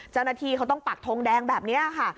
เจ้าหน้าที่เขาต้องปักทงแดงแบบนี้ค่ะ